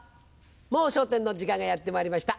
『もう笑点』の時間がやってまいりました。